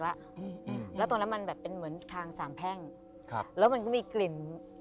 แล้วก็เปือหน้าแบบเป็นเหมือนทางสามแพ่งแล้วมันก็มีกลิ่น